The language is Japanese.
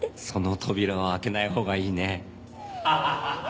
その扉は開けない方がいいね。